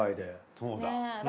そうだ。